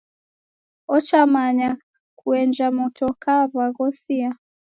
Ochamanya kuenjesha mtokaa waghosia